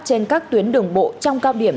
trên các tuyến đường bộ trong cao điểm